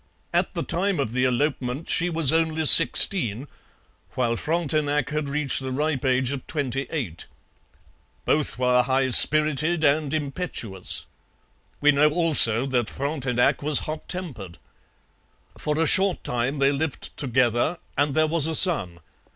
At the time of the elopement she was only sixteen, while Frontenac had reached the ripe age of twenty eight. Both were high spirited and impetuous. We know also that Frontenac was hot tempered. For a short time they lived together and there was a son.